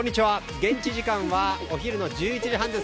現地時間はお昼の１１時半です。